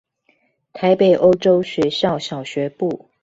臺北歐洲學校小學部